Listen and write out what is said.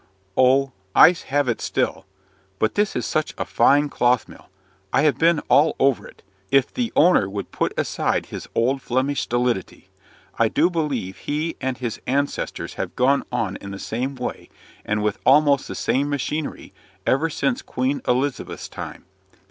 "Oh! I have it still. But this is such a fine cloth mill! I have been all over it. If the owner would put aside his old Flemish stolidity! I do believe he and his ancestors have gone on in the same way, and with almost the same machinery, ever since Queen Elizabeth's time.